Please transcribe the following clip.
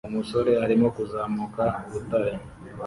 Umusore arimo kuzamuka urutare